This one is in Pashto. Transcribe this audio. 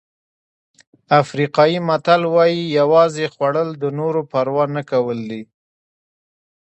افریقایي متل وایي یوازې خوړل د نورو پروا نه کول دي.